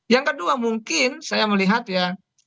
yang kedua mungkin saya melihat ya